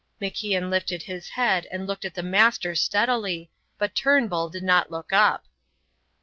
MacIan lifted his head and looked at the Master steadily, but Turnbull did not look up.